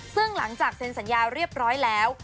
ซึ่งหลังจากเซ็นสัญญาเรียบร้อยแล้ว